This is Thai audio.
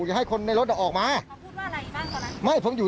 อย่าให้คนในรถออกมาเขาพูดว่าอะไรบ้างก็แล้ว